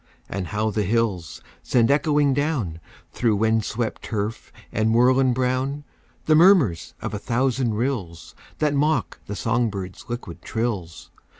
And how the hills send echoing down, Through wind swept turf and moorland brown, The murmurs of a thousand rills That mock the song birds' liquid trills!